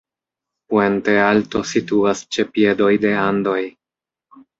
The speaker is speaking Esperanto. Puente Alto situas ĉe piedoj de Andoj.